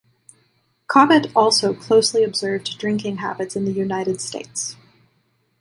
Cobbett also closely observed drinking habits in the United States.